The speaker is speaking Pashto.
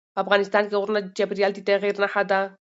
افغانستان کې غرونه د چاپېریال د تغیر نښه ده.